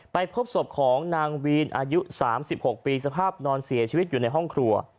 พบศพของนางวีนอายุ๓๖ปีสภาพนอนเสียชีวิตอยู่ในห้องครัว